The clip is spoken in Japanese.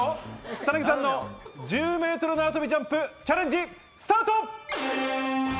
草薙さんの１０ｍ縄跳びジャンプ、チャレンジスタート！